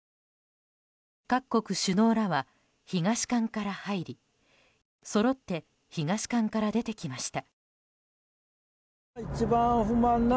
各国首脳らは東館から入りそろって東館から出てきました。